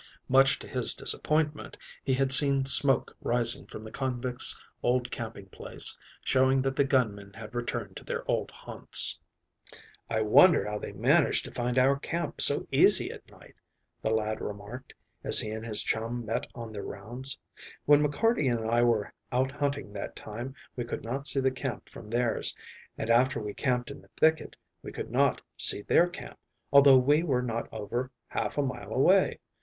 Much to his disappointment, he had seen smoke rising from the convicts' old camping place, showing that the gunmen had returned to their old haunts. "I wonder how they manage to find our camp so easy at night," the lad remarked, as he and his chum met on their rounds. "When McCarty and I were out hunting that time we could not see this camp from theirs, and after we camped in the thicket we could not see their camp, although we were not over half a mile away.